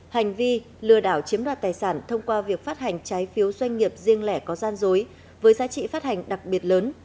hành vi lừa đảo chiếm đoạt tài sản thông qua việc phát hành trái phiếu doanh nghiệp riêng lẻ có gian dối với giá trị phát hành đặc biệt lớn